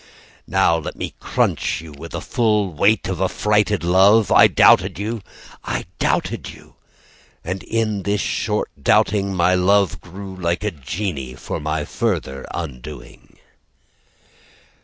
Now let me crunch you With full weight of affrighted love. I doubted you I doubted you And in this short doubting My love grew like a genie For my further undoing.